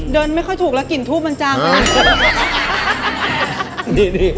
เดินไม่ค่อยถูกแล้วกลิ่นสุ่มมันจากเลย